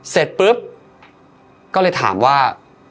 เสร็จปุ๊บก็เลยถามว่า